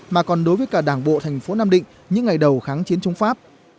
mà còn đối với cả đảng bộ thành phố nam định những ngày đầu kháng chiến chống pháp